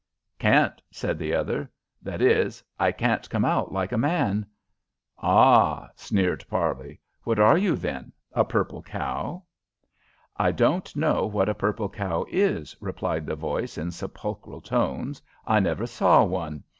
"Can't," said the other "that is, I can't come out like a man." "Ah!" sneered Parley. "What are you then a purple cow?" "I don't know what a purple cow is," replied the voice, in sepulchral tones. "I never saw one.